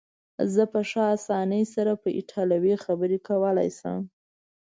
زه په ښه اسانۍ سره په ایټالوي خبرې کولای شم.